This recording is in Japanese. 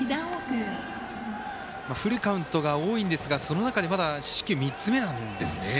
フルカウントが多いんですがその中で四死球３つめなんですね。